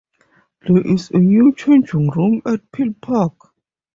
There is a new changing room at Peel Park.